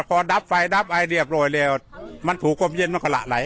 พอดับไฟได้เรียบโดยเรียบมันถูกปุ้มเย็นมันก็ละไหล